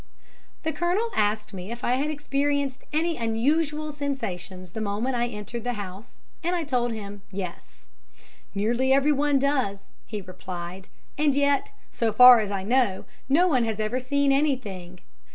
The Colonel asked me if I had experienced any unusual sensations the moment I entered the house, and I told him, "Yes." "Nearly everyone does," he replied, "and yet, so far as I know, no one has ever seen anything.